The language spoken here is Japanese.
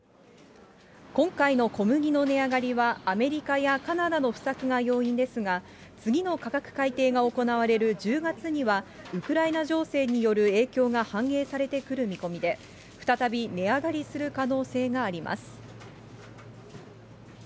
今回の小麦の値上がりはアメリカやカナダの不作が要因ですが、次の価格改定が行われる１０月には、ウクライナ情勢による影響が反映されてくる見込みで、再び値上がりする可能性があります。